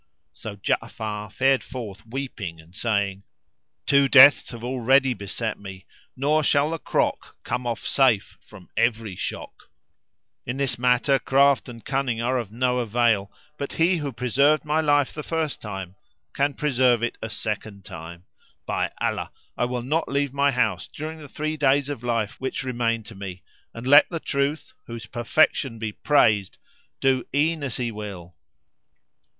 So Ja'afar fared forth weeping and saying. "Two deaths have already beset me, nor shall the crock come of safe from every shock.' [FN#360] In this matter craft and cunning are of no avail; but He who preserved my life the first time can preserve it a second time. By Allah, I will not leave my house during the three days of life which remain to me and let the Truth (whose perfection be praised!) do e'en as He will."